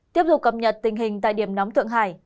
tiếp tục cập nhật tình hình tại điểm nóng tượng hải